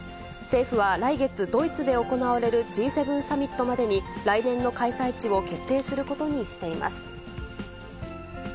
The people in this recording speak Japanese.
政府は来月、ドイツで行われるＧ７サミットまでに、来年の開催地を決定することにしています。